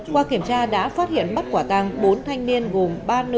qua kiểm tra đã phát hiện bắt quả tàng bốn thanh niên gồm ba nữ